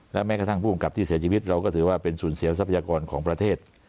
และแม้กระทั่งผู้กำกับที่เสียชีวิตเราก็ถือว่าเป็นสูญเสียทรัพยากรของประเทศ